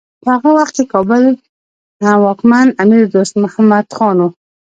په هغه وخت کې د کابل واکمن امیر دوست محمد و.